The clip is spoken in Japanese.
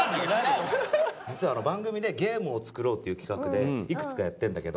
実は番組でゲームを作ろうっていう企画でいくつかやってるんだけど。